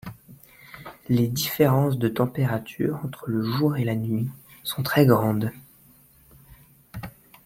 Les différences de températures entre le jour et la nuit sont très grandes.